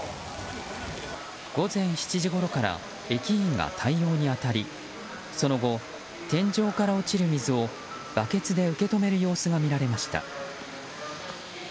午前７時ごろから駅員が対応に当たりその後、天井から落ちる水をバケツで受け止める様子が見られました。